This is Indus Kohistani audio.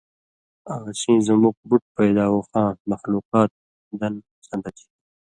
آں سیں زُمُک بُٹ پیداوخاں (مخلوقات) دن سن٘دہ چھی۔